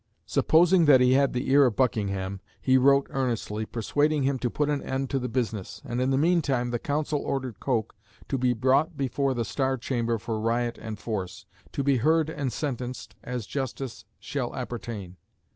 Supposing that he had the ear of Buckingham, he wrote earnestly, persuading him to put an end to the business; and in the meantime the Council ordered Coke to be brought before the Star Chamber "for riot and force," to "be heard and sentenced as justice shall appertain."